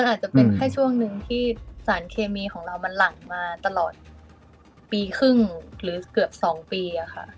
อาจจะเป็นแค่ช่วงหนึ่งที่สารเคมีของเรามันหลั่นมาตลอดปีครึ่งหรือเกือบ๒ปี